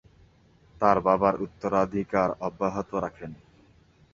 তার বাবার উত্তরাধিকার অব্যাহত রাখেন।